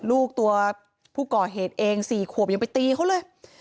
ลูกตัวผู้ก่อเหตุเอง๔ขวบยังไปตีเขาเลย